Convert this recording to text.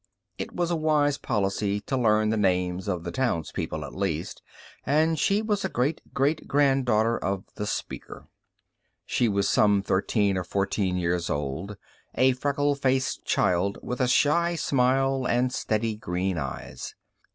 It was a wise policy to learn the names of the townspeople, at least, and she was a great great granddaughter of the Speaker. She was some thirteen or fourteen years old, a freckle faced child with a shy smile, and steady green eyes.